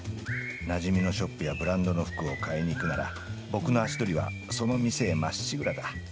なじみのショップやブランドの服を買いに行くなら僕の足取りはその店へ、まっしぐらだ。